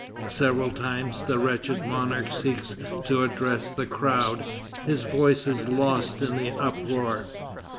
Several times the wretched monarch seeks to address the crowd. His voice is lost in the uproar.